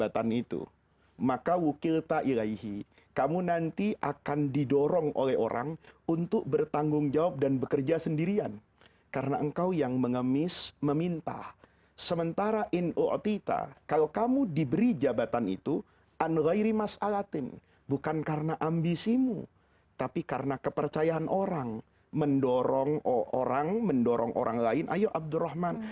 tidak bisa tidur